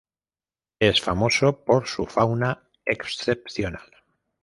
Es famoso por su fauna excepcional.